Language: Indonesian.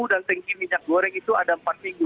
dan tanki minyak goreng itu ada empat minggu